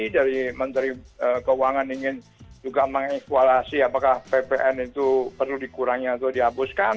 dari menteri keuangan ingin juga mengekkuasi apakah ppn itu perlu dikurangi atau dihapuskan